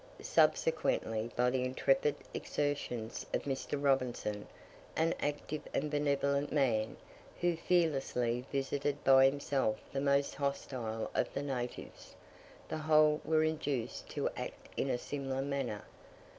Subsequently by the intrepid exertions of Mr. Robinson, an active and benevolent man, who fearlessly visited by himself the most hostile of the natives, the whole were induced to act in a similar manner.